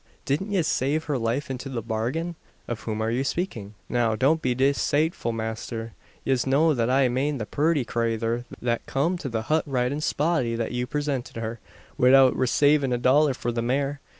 Didn't yez save her life into the bargain?" "Of whom are you speaking?" "Now, don't be desateful, masther. Yez know that I mane the purty crayther that come to the hut ridin' Spotty that you presinted her, widout resavin' a dollar for the mare.